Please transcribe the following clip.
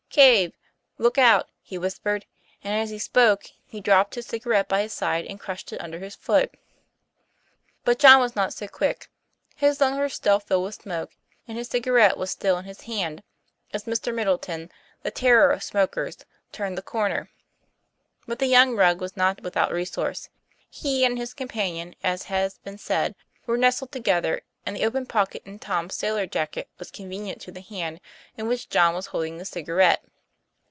'* Caz>e, look out," he whispered, and as he spoke he dropped his cigarette by his side and crushed it under his foot. But John was not so quick, his lungs were still filled with smoke, and his cigarette was still in his hand, as Mr. Middleton, the terror of smokers, turned the corner. But the young rogue was not without resource; he and his companion, as has been said, were nestled together, and the open pocket in Tom's sailor jacket was convenient to the hand in which John was holding the cigarette.